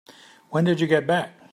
When did you get back?